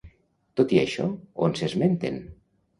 Tot i això, on s'esmenten?